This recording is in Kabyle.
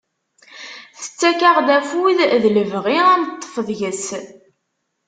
Tettak-aɣ-d afud, d lebɣi ad neṭṭef deg-s.